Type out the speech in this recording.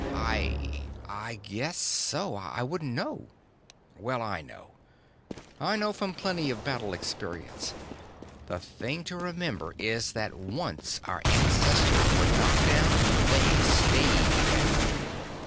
"I I guess so. I wouldn't know." "Well, I know. I know from plenty of battle experience. The thing to remember is that once our ancestors were knocked down, they stayed down.